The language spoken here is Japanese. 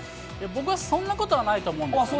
僕はそんなことはないと思うそうですか。